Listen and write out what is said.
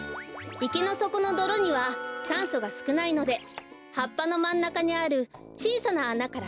いけのそこのどろにはさんそがすくないのではっぱのまんなかにあるちいさなあなからくうきをすい